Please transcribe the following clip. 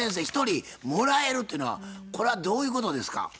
一人もらえるというのはこれはどういうことですか？